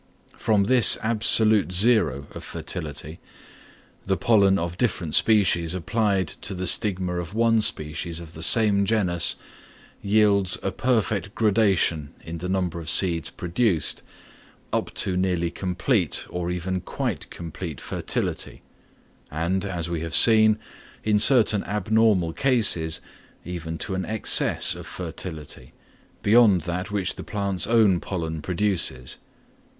From this absolute zero of fertility, the pollen of different species applied to the stigma of some one species of the same genus, yields a perfect gradation in the number of seeds produced, up to nearly complete or even quite complete fertility; and, as we have seen, in certain abnormal cases, even to an excess of fertility, beyond that which the plant's own pollen produces.